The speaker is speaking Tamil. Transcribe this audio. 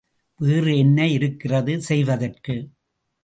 வேறு என்ன இருக்கிறது செய்வதற்கு?